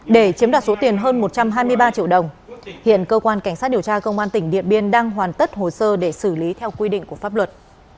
để chiếm đoạt số tiền hơn một trăm hai mươi ba triệu đồng hiện cơ quan cảnh sát điều tra công an tỉnh điện biên đang hoàn tất hồ sơ để xử lý theo quy định của pháp luật